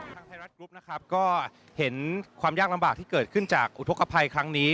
ไทยรัฐกรุ๊ปนะครับก็เห็นความยากลำบากที่เกิดขึ้นจากอุทธกภัยครั้งนี้